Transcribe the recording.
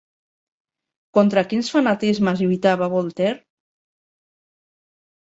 Contra quins fanatismes lluitava Voltaire?